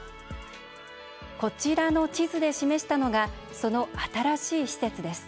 こちらの地図で示したのがその新しい施設です。